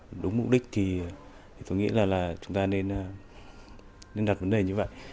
đúng mục đích thì tôi nghĩ là chúng ta nên đặt vấn đề như vậy